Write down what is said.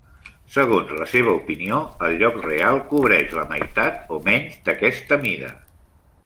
Segons la seva opinió, el lloc real cobreix la meitat o menys d'aquesta mida.